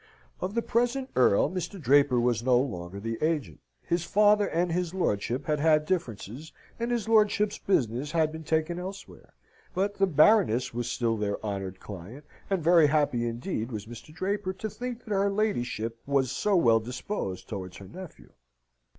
Of the present Earl Mr. Draper was no longer the agent: his father and his lordship had had differences, and his lordship's business had been taken elsewhere: but the Baroness was still their honoured client, and very happy indeed was Mr. Draper to think that her ladyship was so well disposed towards her nephew.